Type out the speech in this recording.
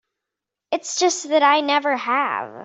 It's just that I never have.